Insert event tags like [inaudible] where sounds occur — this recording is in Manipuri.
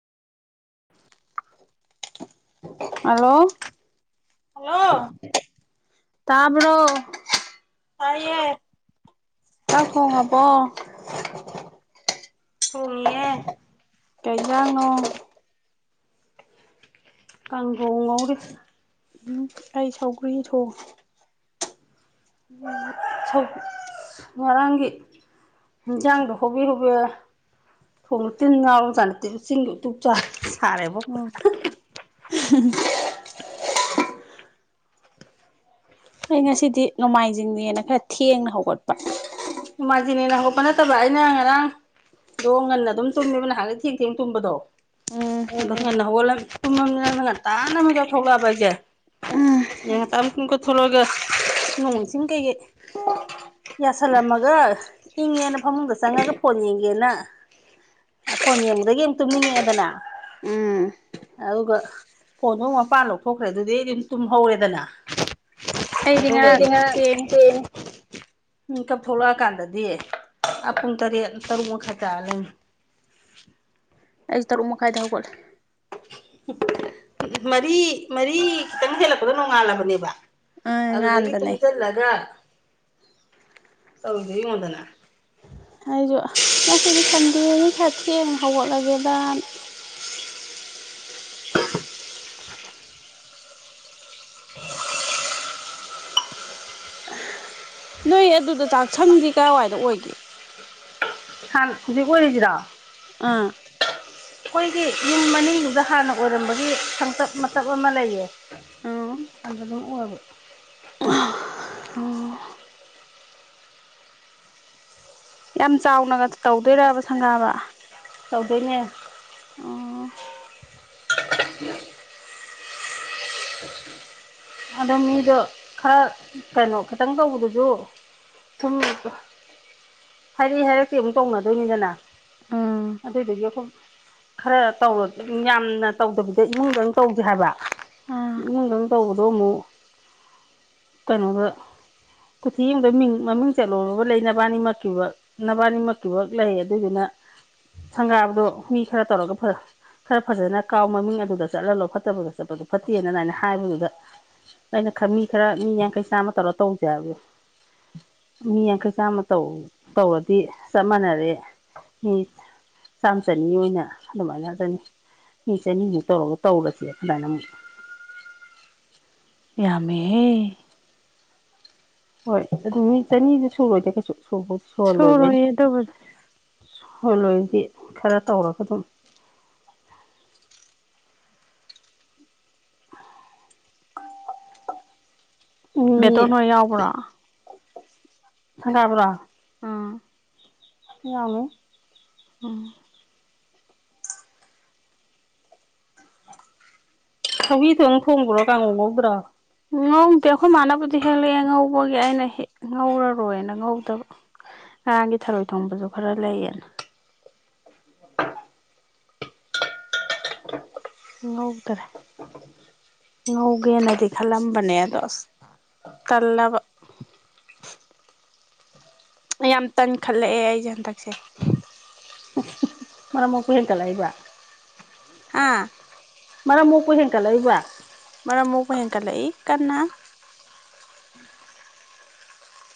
ꯍꯜꯂꯣ ꯍꯜꯂꯣ ꯇꯕꯔꯣ ꯇꯌꯦ ꯆꯥꯛ ꯊꯣꯉꯕꯥ ꯊꯣꯡꯉꯤꯌꯦ ꯀꯩꯖꯅꯣ ꯀꯪꯒꯣꯔ ꯑꯩꯥꯏ ꯁꯧꯒꯔꯤ ꯊꯣ ꯅꯒ ꯉꯔꯥꯡꯒꯤ ꯏꯟꯁꯥꯡꯗꯣ ꯍꯣꯕꯦ ꯍꯣꯕꯦ ꯊꯣꯡꯅ ꯇꯤꯟ ꯉꯥꯔꯝ ꯆꯥꯅ ꯇꯦ ꯆꯤꯡꯒꯤ ꯎꯇꯞ ꯁꯥꯔꯦꯕ ꯎꯝ ꯑꯩ ꯉꯁꯤꯗꯤ ꯅꯣꯡꯃꯥꯏꯖꯤꯡꯅꯦꯅ ꯈꯔ ꯊꯦꯡꯅ ꯍꯧꯒꯠꯄ ꯅꯣꯡꯃꯥꯏꯖꯅꯦꯅ ꯍꯧꯒꯠꯄ ꯅꯠꯇꯕ ꯑꯩꯅ ꯉꯔꯥꯡꯗꯣ ꯉꯟꯅ ꯑꯗꯨꯝ ꯆꯨꯝꯃꯦꯕ ꯅꯍꯥꯟꯩ ꯊꯦꯡ ꯊꯦꯡ ꯇꯨꯝꯕꯗꯣ ꯎꯝ ꯅꯉꯣꯟꯗꯣ ꯉꯟꯅ ꯍꯧꯒꯨꯝꯃꯅꯤꯅ ꯉꯟꯇꯥꯅ ꯑꯃꯨꯛ ꯌꯥꯎꯊꯣꯛꯂꯛꯑꯕ ꯑꯩꯁꯦ ꯎꯝ ꯉꯟꯇꯥꯨꯝ ꯀꯣꯊꯂꯛꯑꯒ ꯅꯣꯡꯁꯤꯡ ꯀꯩꯀꯩ ꯌꯥꯁꯜꯂꯝꯃꯒ ꯑꯗꯨꯒ ꯏꯪꯉꯦꯅ ꯐꯃꯨꯡꯗ ꯆꯪꯉꯒ ꯐꯣꯟ ꯌꯦꯡꯒꯦꯅ ꯐꯣꯟ ꯌꯦꯡꯕꯗꯒꯤ ꯑꯃꯛ ꯇꯨꯝꯅꯤꯡꯉꯛꯑꯦꯗꯅ ꯎꯝ ꯑꯗꯨꯒ ꯐꯣꯟꯗꯣꯨꯛ ꯃꯄꯥꯟ ꯂꯧꯊꯣꯛꯈ꯭ꯔꯦ ꯑꯗꯨꯗꯤ ꯑꯗꯨꯝ ꯇꯨꯝꯍꯧꯔꯦꯗꯅ ꯑꯩꯗꯤ ꯉꯔꯥꯡ ꯊꯦꯡꯉꯦ [inaudible] ꯎꯝ ꯊꯣꯛꯂꯛꯑꯀꯥꯟꯗꯗꯤ ꯄꯨꯡ ꯇꯔꯦꯠ ꯇꯔꯨꯛ ꯃꯈꯥꯏ ꯇꯥꯔꯒꯥ ꯂꯩꯔꯝꯃꯦ ꯑꯩꯁ ꯇꯔꯨꯛ ꯃꯈꯥꯏꯗ ꯍꯧꯒꯠꯂꯦ ꯃꯔꯤ ꯃꯔꯤ ꯈꯤꯇꯪ ꯍꯦꯜꯂꯛꯄꯗ ꯅꯣꯡꯉꯥꯜꯂꯕꯅꯦꯕ ꯑꯥ ꯑꯗꯨꯗꯒꯤ ꯉꯥꯟꯕꯅꯦ ꯇꯨꯝꯁꯤꯜꯂꯒ ꯇꯧꯗꯦ ꯌꯦꯡꯉꯣꯗꯅ ꯑꯩꯁꯨ ꯑꯁ ꯉꯁꯤꯗꯤ ꯁꯟꯗꯦꯅꯤ ꯈꯔ ꯊꯦꯡꯅ ꯍꯧꯒꯠꯂꯒꯦꯗ [unintelligible] ꯅꯣꯏ ꯑꯗꯨꯗ ꯆꯥꯛꯁꯪꯗꯤ ꯀꯗꯥꯥꯏꯋꯥꯏꯗ ꯑꯣꯏꯒꯦ ꯍꯖꯤ ꯀꯔꯤꯁꯤꯔꯥ ꯑꯥ ꯑꯩꯈꯣꯏꯒꯤ ꯌꯨꯝ ꯃꯅꯨꯡꯅꯤꯡꯗꯨꯗ ꯍꯥꯟꯅ ꯑꯣꯏꯔꯝꯕꯒꯤ ꯁꯪꯆꯞ ꯃꯁꯞ ꯑꯃ ꯂꯩꯌꯦ ꯑꯣ ꯐꯟꯗꯝ ꯎꯔꯕꯨ [inaudible] ꯑꯣ ꯌꯥꯝ ꯆꯥꯎꯅꯒ ꯇꯧꯗꯣꯏꯕ ꯁꯪꯒꯥꯕ ꯇꯧꯗꯣꯏꯅꯦ ꯎꯝ ꯎꯝ ꯑꯗꯣ ꯃꯤꯗꯣ ꯈꯔ ꯀꯩꯅꯣ ꯈꯤꯇꯪ ꯇꯧꯕꯗꯨꯁꯨ ꯁꯨꯝ ꯍꯥꯏꯔꯛ ꯍꯥꯏꯔꯛꯇꯤ ꯑꯃꯨꯛ ꯇꯧꯅꯗꯣꯏꯅꯤꯗꯅ ꯑꯗꯨꯗꯨꯒꯤ ꯑꯩꯈꯣꯏ ꯈꯔ ꯇꯧ ꯌꯥꯝꯅ ꯇꯧꯗꯕꯤꯗ ꯏꯃꯨꯡꯗꯪ ꯇꯧꯁꯦ ꯍꯥꯏꯕ ꯑꯥ ꯏꯃꯨꯡꯗꯪ ꯇꯧꯕꯗ ꯑꯗꯣ ꯑꯃꯨꯛ ꯀꯩꯅꯣꯗ ꯀꯊꯤ ꯑꯃꯗ ꯃꯤꯡ ꯃꯃꯤꯡ ꯆꯠꯂꯨꯔꯔꯕ ꯂꯩ ꯅꯕꯥꯅꯤꯃꯛꯀꯤꯕ ꯅꯕꯥꯅꯤꯃꯛꯀꯤꯐ ꯂꯩ ꯑꯗꯨꯗꯨꯅ ꯁꯪꯒꯥꯕꯗꯣ ꯃꯤ ꯈꯔ ꯇꯧꯔꯒ ꯈꯔ ꯐꯖꯅ ꯀꯥꯎ ꯃꯃꯤꯡ ꯑꯗꯨꯗ ꯆꯠꯍꯂꯣ ꯐꯠꯇꯕꯗ ꯆꯠꯄꯗꯣ ꯐꯠꯇꯦꯅ ꯑꯗꯨꯃꯥꯏꯅ ꯍꯥꯏꯕꯗꯨꯗ ꯑꯩꯅ ꯃꯤ ꯈꯔ ꯃꯤ ꯌꯥꯡꯈꯩ ꯆꯥꯝꯃ ꯇꯧꯔ ꯇꯧꯁꯦ ꯍꯥꯏꯕ ꯃꯤ ꯌꯥꯡꯈꯩ ꯆꯥꯝꯃꯧ ꯇꯧꯔꯗꯤ ꯆꯞ ꯃꯥꯟꯅꯔꯦ ꯃꯤ ꯆꯥꯝꯃ ꯆꯅꯤ ꯑꯣꯏꯅ ꯑꯗꯨꯃꯥꯏꯅ ꯉꯥꯛ ꯆꯅꯤ ꯃꯤ ꯆꯅꯤꯃꯨꯛ ꯇꯧꯔꯒ ꯇꯧꯔꯁꯦ ꯑꯗꯨꯃꯥꯏꯅ ꯑꯃꯨꯛ ꯌꯥꯃꯦ ꯍꯣꯏ ꯑꯗꯨ ꯃꯤ ꯆꯅꯤꯗꯤ ꯁꯨꯔꯣꯏꯗꯦ ꯀꯩꯁꯨ ꯁꯨꯕꯨꯗꯤ ꯁꯣꯔꯣꯗꯕꯨ ꯍꯣꯏ ꯂꯣꯏꯗꯤ ꯈꯔ ꯇꯧꯔꯒ ꯑꯗꯨꯝ ꯗꯥ ꯇꯣꯟ ꯍꯤꯏ ꯌꯥꯎꯕꯔꯣ ꯍꯪꯒꯥꯕ꯭ꯔ ꯎꯝ ꯀꯃꯤ ꯎꯝ ꯊꯕꯤꯗꯣꯪ ꯊꯣꯡꯕ꯭ꯔꯣ ꯀꯥꯡꯉꯧ ꯉꯧꯗ꯭ꯔꯥ ꯉꯧꯗꯦ ꯑꯩꯈꯣꯏ ꯃꯥꯅꯕꯨꯗꯤ ꯍꯦꯜꯂꯛꯑꯦ ꯉꯧꯕꯒꯤ ꯑꯩꯅ ꯉꯧꯔꯔꯣꯏꯅ ꯉꯧꯗꯕ ꯉꯔꯥꯡꯒꯤ ꯊꯔꯣꯏ ꯊꯣꯡꯕꯁꯨ ꯈꯔ ꯂꯩꯌꯦꯅ ꯉꯧꯗꯔꯦ ꯉꯧꯒꯦꯅꯗꯤ ꯈꯜꯂꯝꯕꯅꯦ ꯑꯗꯣ ꯑꯁ ꯇꯜꯂꯕ ꯌꯥꯝ ꯇꯟꯈꯠꯂꯛꯑꯦ ꯑꯩꯁꯦ ꯍꯟꯗꯛꯁꯦ ꯃꯔꯔꯃ ꯀ ꯍꯦꯜꯒꯂ ꯑꯩꯕ ꯍꯥꯥ ꯃꯔꯛ ꯃꯨꯛꯄꯨ ꯍꯦꯟꯀꯠꯂꯛꯏꯕ ꯃꯅꯥ ꯃꯒ ꯍꯌꯦꯀꯂ ꯏ ꯀꯅꯥ